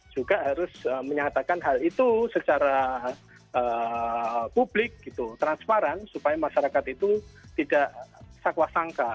juga harus menyatakan hal itu secara publik gitu transparan supaya masyarakat itu tidak sakwa sangka